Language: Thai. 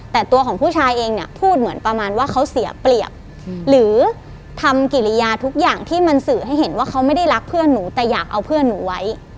แต่ตัวของผู้ชายเองเนี่ยพูดเหมือนประมาณว่าเขาเสียเปรียบหรือทำกิริยาทุกอย่างที่มันสื่อให้เห็นว่าเขาไม่ได้รักเพื่อนหนูแต่อยากเอาเพื่อนหนูไว้